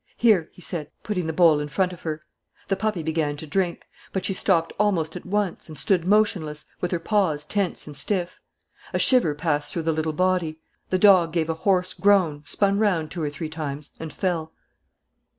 "Here," he said, putting the bowl in front of her. The puppy began to drink. But she stopped almost at once and stood motionless, with her paws tense and stiff. A shiver passed through the little body. The dog gave a hoarse groan, spun round two or three times, and fell.